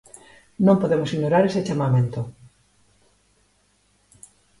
Non podemos ignorar ese chamamento.